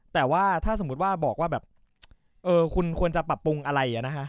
แต่ว่าถ้าสมมุติว่าบอกว่าแบบคุณควรจะปรับปรุงอะไร